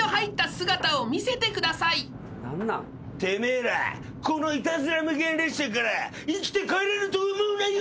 てめえらこのイタズラ無限列車から生きて帰れると思うなよ。